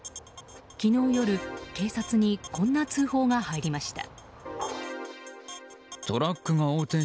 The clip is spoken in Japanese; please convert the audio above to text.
昨日夜、警察にこんな通報が入りました。